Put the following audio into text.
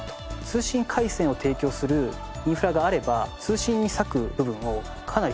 通信回線を提供するインフラがあれば通信に割く部分をかなり減らす事ができます。